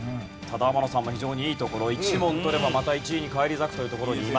ただ天野さんも非常にいいところ１問取ればまた１位に返り咲くというところにいます。